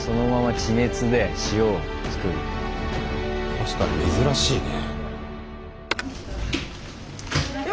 確かに珍しいね。